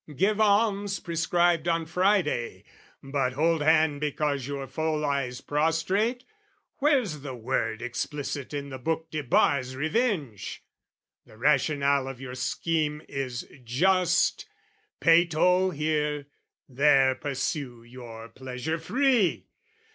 Give alms prescribed on Friday, but, hold hand Because your foe lies prostrate, where's the word Explicit in the book debars revenge? The rationale of your scheme is just "Pay toll here, there pursue your pleasure free!"